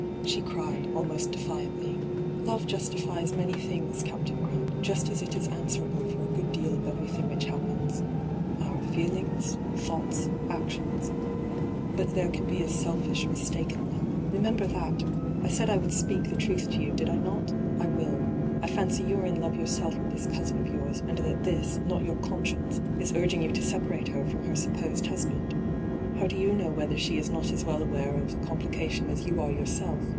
she cried, almost defiantly. ' Love justifies many things, Cap tain Grant, just as it is answerable for a good deal of everjrthing which happens — our feel ings, thoughts, aotiona But there can be a selfish, mistaken love. Remember that I I said I would spe^ the truth to you, did I not ? I wilL I fancy you are in love your self with this cousin of yours, and that this, not your conscience, is urging you to separate her from her supposed husband I How do you know whether she is not as well aware of ENTRAPPED 207 the oompHoation as yoa are yourself?